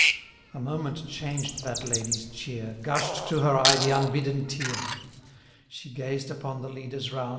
A moment changed that Ladye^ cheer. Gushed to her eye the unbidden tear ; She gazed upon the leaden round.